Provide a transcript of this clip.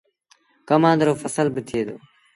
ڪمآݩد رو ڦسل با ٿئي دو۔